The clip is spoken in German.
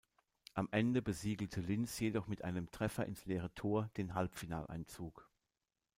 Am Ende besiegelte Linz jedoch mit einem Treffer ins leere Tor den Halbfinaleinzug.